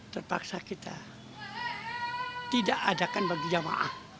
terpaksa kita tidak adakan bagi jamaah